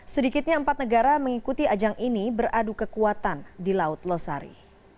sedikitnya empat negara mengikuti ajang ini beradu kekuatan di laut losari